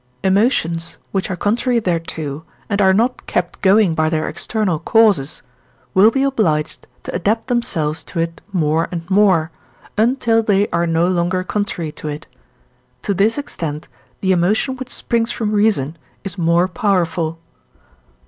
emotions, which are contrary thereto and are not kept going by their external causes, will be obliged to adapt themselves to it more and more, until they are no longer contrary to it; to this extent the emotion which springs from reason is more powerful.